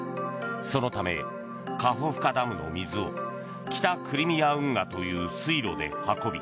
そのためカホフカダムの水を北クリミア運河という水路で運び